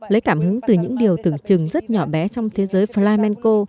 lấy cảm hứng từ những điều tưởng chừng rất nhỏ bé trong thế giới flamenko